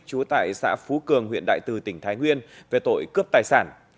trú tại xã phú cường huyện đại từ tỉnh thái nguyên về tội cướp tài sản